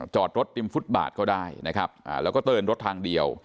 จอดรถริมฟุตบาทก็ได้นะครับแล้วก็เตือนรถทางเดียว